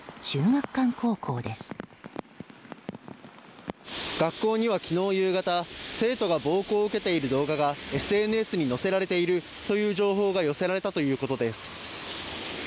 学校には昨日夕方生徒が暴行を受けている動画がＳＮＳに載せられているという情報が寄せられたということです。